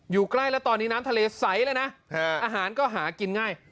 ใกล้แล้วตอนนี้น้ำทะเลใสแล้วนะอาหารก็หากินง่าย